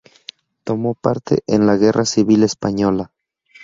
Tomó parte en la Guerra Civil Española.